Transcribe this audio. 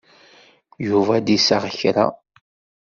Yuba ad d-iseɣ kra.